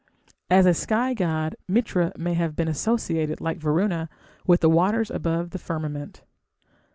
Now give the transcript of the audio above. As a sky god Mitra may have been associated, like Varuna, with the waters above the firmament.